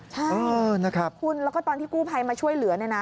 ใช่คุณแล้วก็ตอนที่กู้ภัยมาช่วยเหลือนะ